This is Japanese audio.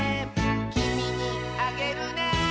「きみにあげるね」